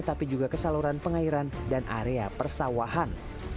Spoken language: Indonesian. tapi juga ke saluran pengairan dan area persawahan